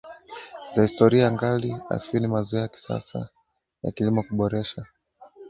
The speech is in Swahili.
za historia angalia Afyuni Mazoea ya kisasa ya kilimo kuboresha